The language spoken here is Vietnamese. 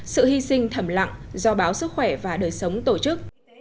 sự hy sinh thầm lặng do báo sức khỏe và đời sống tổ chức